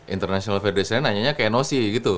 international federasi nya nanya nya ke nos